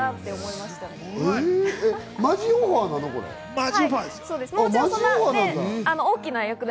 まじオファーなの？